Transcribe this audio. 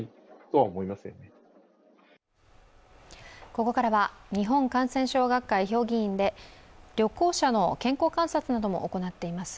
ここからは日本感染症学会評議員で旅行者の健康観察なども行っています